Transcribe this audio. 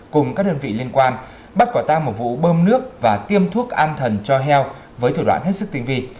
cùng các đơn vị liên quan bắt quả tăng một vụ bơm nước và tiêm thuốc an thần cho heo với thủ đoạn hết sức tình vị